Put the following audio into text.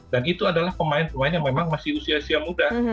dan itu adalah pemain pemain yang memang masih usia muda